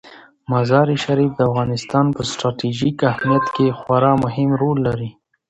مزارشریف د افغانستان په ستراتیژیک اهمیت کې خورا مهم رول لري.